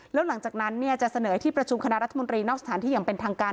แล้วหลังจากนั้นจะเสนอที่ประชุมคณะรัฐมนตรีนอกสถานที่อย่างเป็นทางการ